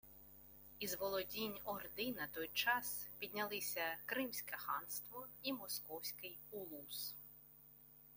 Із володінь Орди на той час піднялися Кримське ханство і Московський улус